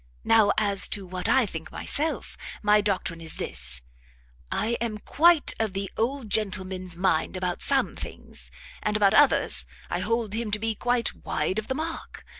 Now as to what I think myself, my doctrine is this; I am quite of the old gentleman's mind about some things, and about others I hold him to be quite wide of the mark.